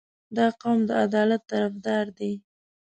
• دا قوم د عدالت طرفدار دی.